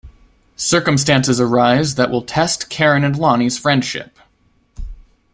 Circumstances arise that will test Karen and Lonnie's friendship.